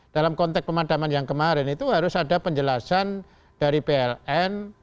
dalam konteks pemadaman yang kemarin itu harus ada penjelasan dari pln